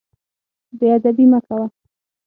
بې ادبي مه کوه.